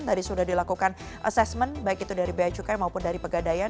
dari sudah dilakukan assessment baik itu dari biaya cukai maupun dari pegadaian